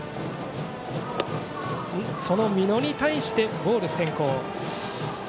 その美濃に対してボール先行。